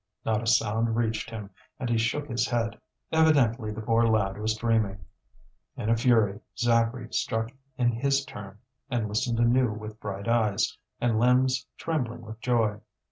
Not a sound reached him, and he shook his head; evidently the poor lad was dreaming. In a fury, Zacharie struck in his turn, and listened anew with bright eyes, and limbs trembling with joy.